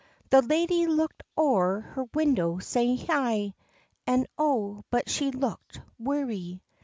The lady look'd o'er her window sae hie, And O but she looked weary!